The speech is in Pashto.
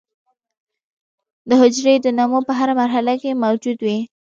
د حجرې د نمو په هره مرحله کې موجود وي.